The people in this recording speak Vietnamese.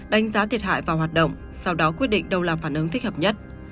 đánh giá thiệt hại vào hoạt động sau đó quyết định đâu là phản ứng thích hợp nhất